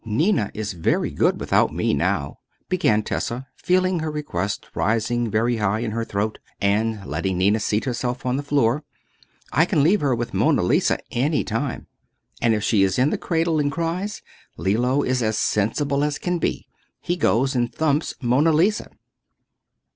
"Ninna is very good without me now," began Tessa, feeling her request rising very high in her throat, and letting Ninna seat herself on the floor. "I can leave her with Monna Lisa any time, and if she is in the cradle and cries, Lillo is as sensible as can be—he goes and thumps Monna Lisa."